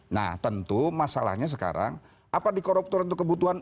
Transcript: nah tentu masalahnya sekarang apa dikoruptor itu kebutuhan